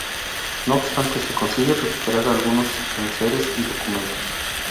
No obstante se consigue recuperar algunos enseres y documentos.